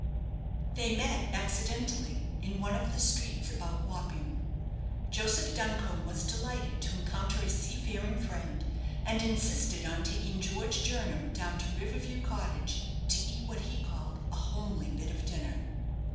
They met accidentally in one of the streets about Wapping. Joseph Buncombe was delighted to encounter a sea faring friend, and insisted on taking George Jernam down to River View Cottage to eat what he called a homely bit of dinner.